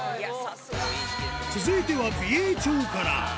続いては、美瑛町から。